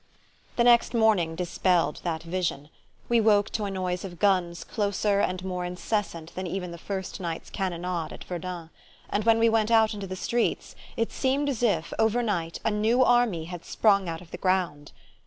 The next morning dispelled that vision. We woke to a noise of guns closer and more incessant than even the first night's cannonade at Verdun; and when we went out into the streets it seemed as if, overnight, a new army had sprung out of the ground.